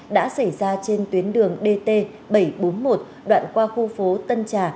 đã xảy ra trên tuyến đường dt bảy trăm bốn mươi một đoạn qua khu phố tân trà